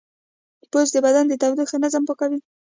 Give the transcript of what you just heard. پوست د بدن د تودوخې تنظیم کوي.